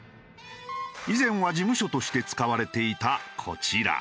以前は事務所として使われていたこちら。